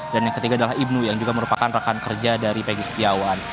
dan yang ketiga adalah ibnu yang juga merupakan rekan kerja dari pegi setiawan